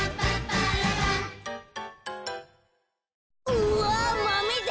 うわマメだ！